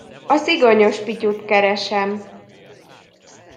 A Szigonyos Pityut keresem!